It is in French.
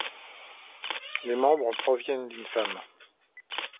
Les membres proviennent d'une femme.